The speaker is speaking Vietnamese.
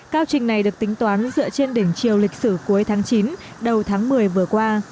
cao trình này được tính toán dựa trên đỉnh chiều lịch sử cuối tháng chín đầu tháng một mươi vừa qua